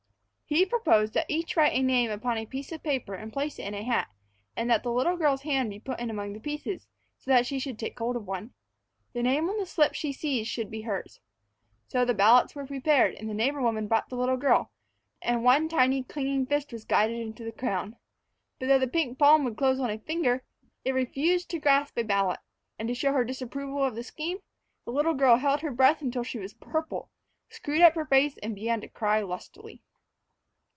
He proposed that each write a name upon a piece of paper and place it in a hat, and that the little girl's hand be put in among the pieces, so that she could take hold of one. The name on the slip she seized should be hers. So the ballots were prepared, the neighbor woman brought the little girl, and one tiny clinging fist was guided into the crown. But though the pink palm would close on a finger, it refused to grasp a ballot; and, to show her disapproval of the scheme, the little girl held her breath until she was purple, screwed up her face, and began to cry lustily.